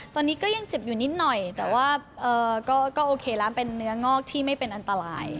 ตอนนี้ก็ยังเจ็บอยู่นิดหน่อยแต่ว่าก็โอเคแล้วมันเป็นเนื้องอกที่ไม่เป็นอันตราย